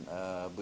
ada pekerjaan baru